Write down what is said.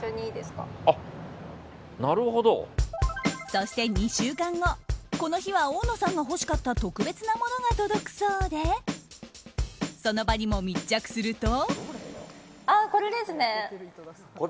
そして２週間後この日は大野さんが欲しかった特別なものが届くそうでその場にも密着すると。